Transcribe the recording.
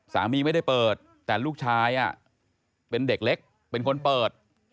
ไม่ได้เปิดแต่ลูกชายเป็นเด็กเล็กเป็นคนเปิด